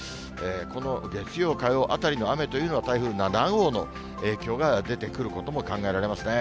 この月曜、火曜あたりの雨というのは、台風７号の影響が出てくることも考えられますね。